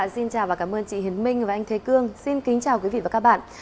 xin chào và cảm ơn chị hiến minh và anh thế cương xin kính chào quý vị và các bạn